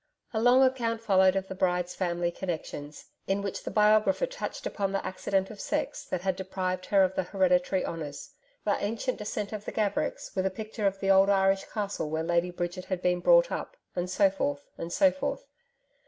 A long account followed of the bride's family connections, in which the biographer touched upon the accident of sex that had deprived her of the hereditary honours; the ancient descent of the Gavericks, with a picture of the old Irish castle where Lady Bridget had been brought up and so forth, and so forth.